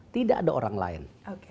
tidak ada orang lain